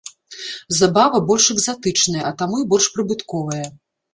Забава больш экзатычная, а таму і больш прыбытковая.